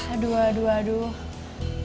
aduh aduh aduh